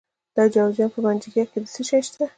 د جوزجان په منګجیک کې څه شی شته؟